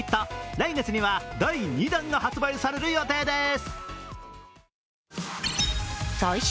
来月には第２弾が発売される予定です。